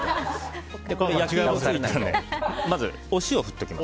焼き色がついたらまずはお塩を振っていきます。